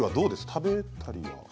食べたりは？